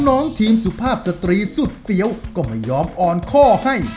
น้องทีมสุภาพสตรีสุดเฟี้ยวก็ไม่ยอมอ่อนข้อให้